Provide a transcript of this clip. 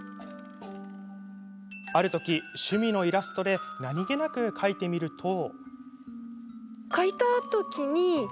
あるとき、趣味のイラストで何気なく描いてみると。